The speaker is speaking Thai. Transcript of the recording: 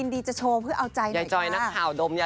พี่โป๊บเราอะ